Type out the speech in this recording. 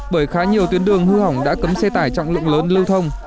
bởi khá nhiều tuyến đường hư hỏng đã cấm xe tải trọng lượng lớn lưu thông